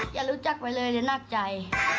อย่ารู้จักไปเลยเดี๋ยวนักใจ